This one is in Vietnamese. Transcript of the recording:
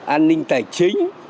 an ninh tài chính